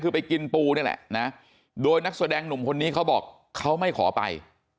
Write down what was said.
คือไปกินปูนี่แหละนะโดยนักแสดงหนุ่มคนนี้เขาบอกเขาไม่ขอไป